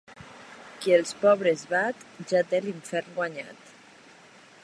Qui els pobres bat, ja té l'infern guanyat.